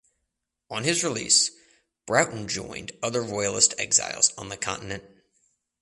On his release Broughton joined other Royalist exiles on the Continent.